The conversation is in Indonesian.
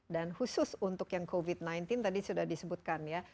dan khusus untuk yang covid sembilan belas tadi sudah disebutkan ya